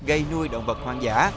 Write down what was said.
gây nuôi động vật hoang dã